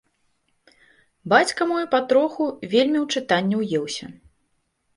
Бацька мой, патроху, вельмі ў чытанне ўеўся.